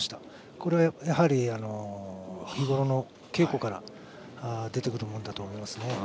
これは、やはり日ごろの稽古から出てくるものだと思います。